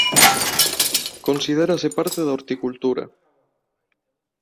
Considérase parte da horticultura.